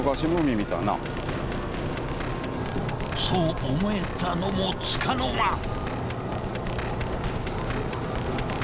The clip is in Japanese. そう思えたのも束の間。